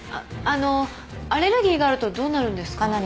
あのアレルギーがあるとどうなるんですか？